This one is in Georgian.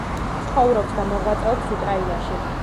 ცხოვრობს და მოღვაწეობს უკრაინაში.